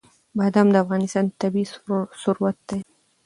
بادام د افغانستان طبعي ثروت دی.